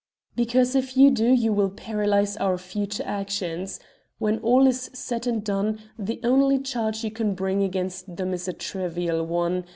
"Because if you do you will paralyse our future actions. When all is said and done, the only charge you can bring against them is a trivial one.